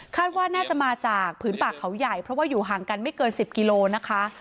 ว่าน่าจะมาจากผืนป่าเขาใหญ่เพราะว่าอยู่ห่างกันไม่เกิน๑๐กิโลนะคะ